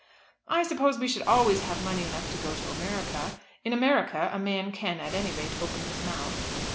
"I suppose we should always have money enough to go to America. In America a man can at any rate open his mouth."